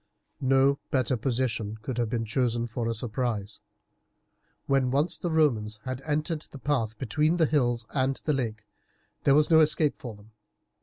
No better position could have been chosen for a surprise. When once the Romans had entered the path between the hills and the lake there was no escape for them.